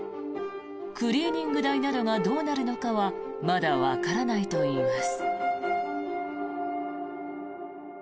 クリーニング代などがどうなるのかはまだわからないといいます。